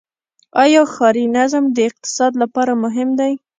آیا ښاري نظم د اقتصاد لپاره مهم دی؟